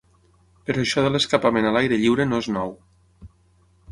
Però això de l’escapament a l’aire lliure no és nou.